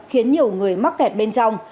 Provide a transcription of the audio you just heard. khiến nhiều người mắc kẹt bên trong